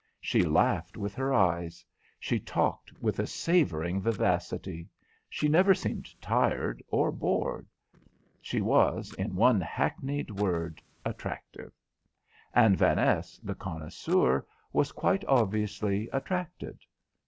She laughed with her eyes; she talked with a savouring vivacity. She never seemed tired or bored. She was, in one hackneyed word, attractive. And Vaness, the connoisseur, was quite obviously attracted.